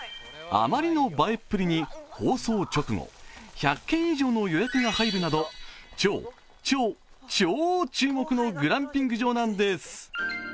あまりの映えっぷりに放送直後、１００件以上の予約が入るなど、超超超注目のグランピング場なんです。